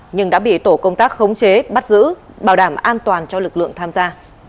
nhưng đã bị tổ công tác khống chế bắt giữ bảo đảm an toàn cho lực lượng tham gia